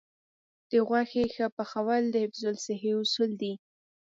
د غوښې ښه پخول د حفظ الصحې اصول دي.